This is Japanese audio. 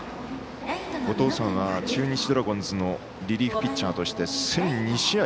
お父さんは中日ドラゴンズのリリーフピッチャーとして１００２試合